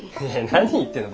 何言ってんの？